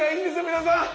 皆さん。